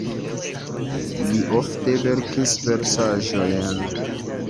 Li ofte verkis versaĵojn.